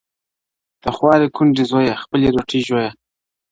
د خواري کونډي زويه، خپلي روټۍ ژويه!